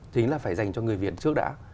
tính là phải dành cho người việt trước đã